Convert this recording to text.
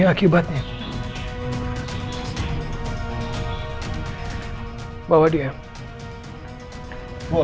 memang sua juga benar benar divided